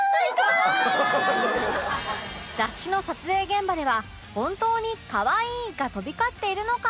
雑誌の撮影現場では本当に「かわいい」が飛び交っているのか？